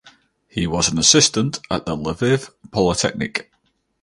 He was an assistant at the Lviv Polytechnic.